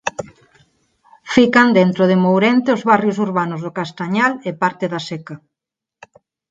Fican dentro de Mourente os barrios urbanos do Castañal e parte da Seca.